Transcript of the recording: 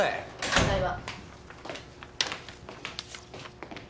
ただいま。